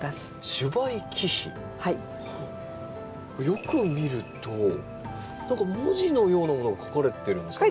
よく見ると何か文字のようなものが書かれてるんですかね。